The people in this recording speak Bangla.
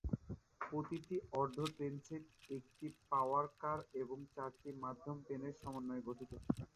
প্রতিটি অর্ধ-ট্রেনসেট একটি পাওয়ার কার এবং চারটি মধ্যম-ট্রেনের সমন্বয়ে গঠিত।